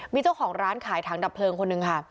มีเจ้าของร้านขายถังดับเพลิงคนหนึ่งค่ะ